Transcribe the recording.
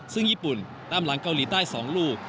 ซึ่งญี่ปุ่นตามหลังเกาหลีใต้๒ลูก